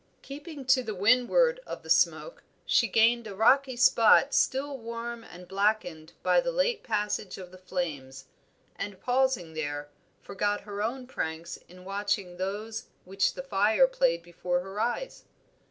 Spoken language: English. Keeping to the windward of the smoke, she gained a rocky spot still warm and blackened by the late passage of the flames, and pausing there, forgot her own pranks in watching those which the fire played before her eyes.